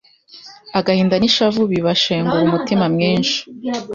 agahinda n’ishavu bibashengura umutima mwinshi